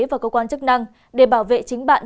và cơ quan chức năng để bảo vệ chính bạn